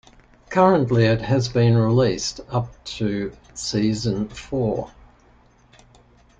Currently, it has been released up to season four.